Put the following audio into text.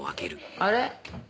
あれ？